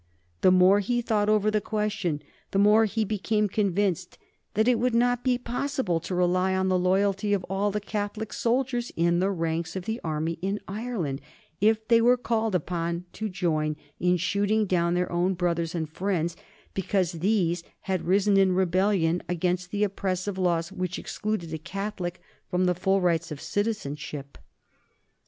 The more he thought over the question, the more he became convinced that it would not be possible to rely on the loyalty of all the Catholic soldiers in the ranks of the army in Ireland if they were called upon to join in shooting down their own brothers and friends because these had risen in rebellion against the oppressive laws which excluded a Catholic from the full rights of citizenship.